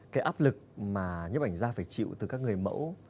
cái áp lực mà nhiếp ảnh ra phải chịu từ các người mẫu